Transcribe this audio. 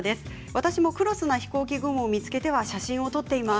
私もクロスな飛行機雲を見つけては写真を撮っています。